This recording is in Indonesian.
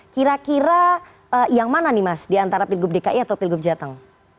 kira kira yang mana nih mas di antara pilgub dki atau pilgub jateng